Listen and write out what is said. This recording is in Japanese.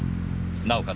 なおかつ